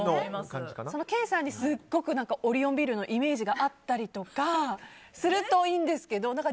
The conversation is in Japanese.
ケイさんにすごくオリオンビールのイメージがあったりとかするといいんですけど。